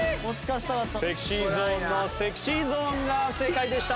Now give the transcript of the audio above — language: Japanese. ＳｅｘｙＺｏｎｅの『ＳｅｘｙＺｏｎｅ』が正解でした。